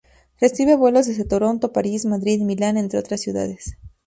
Recibe vuelos desde Toronto, París, Madrid, Milán entre otras ciudades.